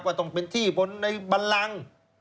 ต้องเป็นที่บนในบันลัง